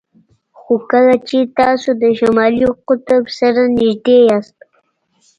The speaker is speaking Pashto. خو کله چې تاسو د شمالي قطب سره نږدې یاست